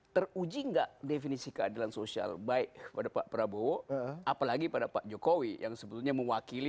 teruji nggak definisi keadilan sosial baik pada pak prabowo apalagi pada pak jokowi yang sebetulnya mewakili